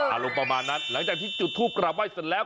อารมณ์ประมาณนั้นหลังจากที่จุดทูปกลับไห้เสร็จแล้ว